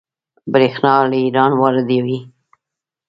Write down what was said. بریښنا له ایران واردوي